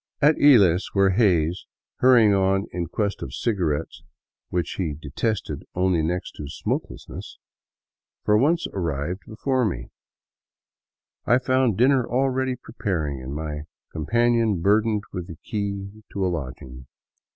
Ii6 DOWN THE ANDES TO QUITO At lies, where Hays, hurrying on in quest of cigarettes which he detested only next to smokelessness, for once arrived before me, 1 found dinner already preparing and my companion burdened with the key to a lodging.